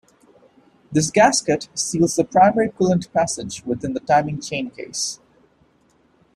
This gasket seals the primary coolant passage within the timing chain case.